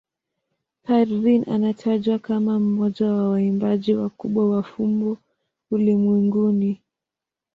Parveen anatajwa kama mmoja wa waimbaji wakubwa wa fumbo ulimwenguni.